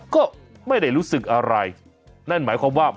ก็ไม่ได้รู้สึกอะไรนั่นหมายความว่า